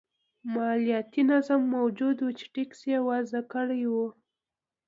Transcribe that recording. مالیاتي نظام موجود و چې ټکس یې وضعه کړی و.